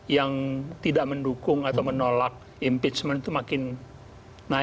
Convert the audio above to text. yang tidak mendukung atau menolak impeachment itu makin naik